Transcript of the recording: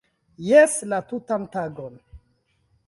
- Jes! - La tutan tagon